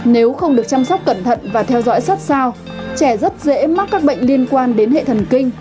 nếu không được chăm sóc cẩn thận và theo dõi sát sao trẻ rất dễ mắc các bệnh liên quan đến hệ thần kinh